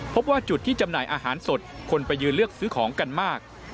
พบว่าจุดที่จำหน่ายอาหารสดคนไปยืนเลือกซื้อของกันมาก